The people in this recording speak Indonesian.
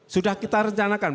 sudah kita rencanakan